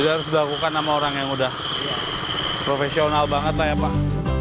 ya harus dilakukan sama orang yang udah profesional banget lah ya pak